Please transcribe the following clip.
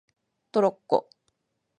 トロッコ